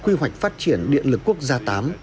quy hoạch phát triển điện lực quốc gia tám